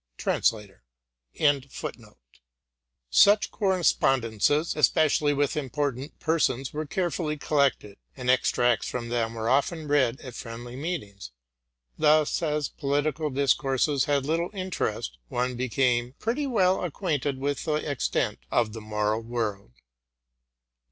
— TRANS. RELATING TO MY LIFE. 145 Such correspondences, especially with important persons, were carefully collected ; and extracts from them were often read at friendly meetings. Thus, as political discourses had little interest, one became pretty well acquainted with the extent of the moral world.